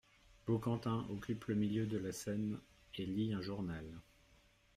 Baucantin occupe le milieu de la scène et lit un journal.